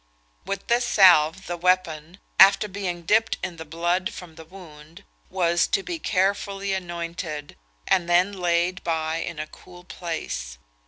With this salve the weapon, after being dipped in the blood from the wound, was to be carefully anointed, and then laid by in a cool place.